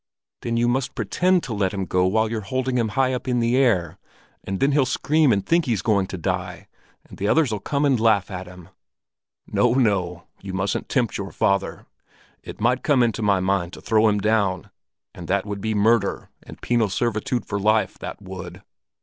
"Then you must pretend to let him go while you're holding him high up in the air; and then he'll scream and think he's going to die, and the others'll come and laugh at him." "No, no; you mustn't tempt your father! It might come into my mind to throw him down, and that would be murder and penal servitude for life, that would!